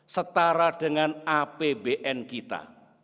setara dengan apbn kita